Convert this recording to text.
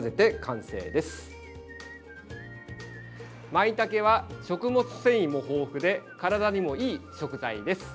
まいたけは、食物繊維も豊富で体にもいい食材です。